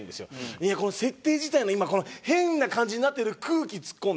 いやこの設定自体の今この変な感じになってる空気ツッコんでって時ないですか？